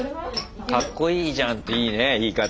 「かっこいいじゃん」っていいね言い方。